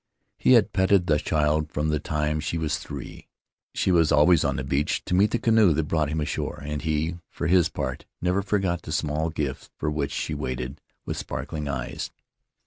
He had petted the child from the time she was three; she was always on the beach to meet the canoe that brought him ashore, and he, for his part, never forgot the small gifts for which she waited with sparkling eyes.